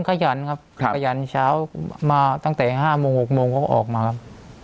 เขาเป็นคนขยันครับขยันเช้ามาตั้งแต่๕โมง๖โมงก็ออกมาครับ